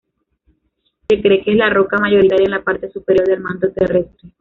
Se cree que es la roca mayoritaria en la parte superior del manto terrestre.